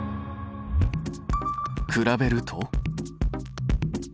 比べると。